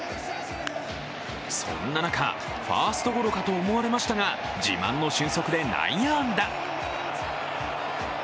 そんな中、ファーストゴロかと思われましたが自慢の俊足で内野安打。